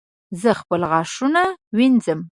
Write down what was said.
زه خپل غاښونه وینځم